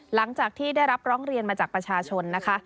หลังจากที่ได้รับร้องเรียนมาจากประชาชนนะคะ